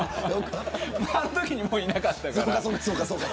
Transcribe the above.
あのときにもいなかったから。